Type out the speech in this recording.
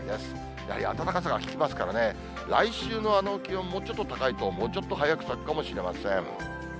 やはり、暖かさがききますからね、来週の気温もうちょっと高いと、もうちょっと早く咲くかもしれません。